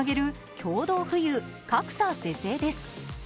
共同富裕＝格差是正です。